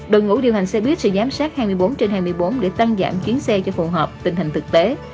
đội ngũ điều hành xe buýt sẽ giám sát hai mươi bốn trên hai mươi bốn để tăng giảm chuyến xe cho phù hợp tình hình thực tế